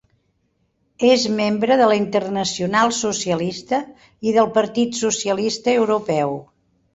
És membre de la Internacional Socialista i del Partit Socialista Europeu.